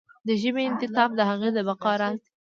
د ژبې انعطاف د هغې د بقا راز دی.